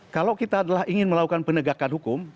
kalau kita adalah ingin melakukan penegakan hukum